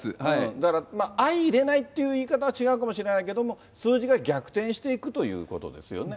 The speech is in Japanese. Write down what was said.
だから相いれないという言い方は違うかもしれないけども、数字が逆転していくということですよね。